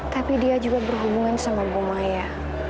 tapi dia juga berhubungan sama bu maya